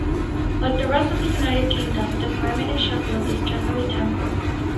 Like the rest of the United Kingdom, the climate in Sheffield is generally temperate.